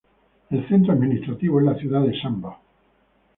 El centro administrativo es la ciudad de Samba.